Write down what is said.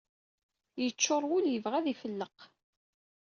Yeččur wul, yebɣa ad ifelleq